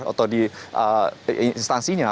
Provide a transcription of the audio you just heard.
atau di instansinya